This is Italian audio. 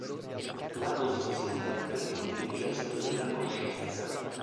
La posizione rappresenta il "gesto della coscienza".